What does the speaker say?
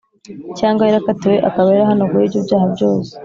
cyangwa yarakatiwe akaba yarahanaguweho ibyo byaha byose